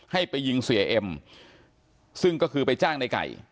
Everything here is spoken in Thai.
ให้ไปยิงเสียเอ็มซึ่งก็คือไปจ้างในไก่